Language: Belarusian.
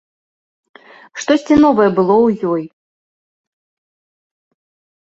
Штосьці новае было ў ёй.